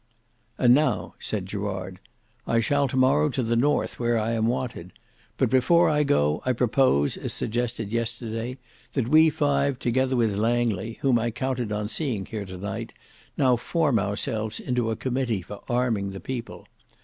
"And now," said Gerard, "I shall to morrow to the north, where I am wanted. But before I go I propose, as suggested yesterday, that we five together with Langley, whom I counted on seeing here to night, now form ourselves into a committee for arming the people.